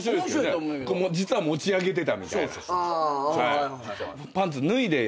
実は持ち上げてたみたいな。